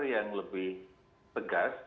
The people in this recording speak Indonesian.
yang lebih tegas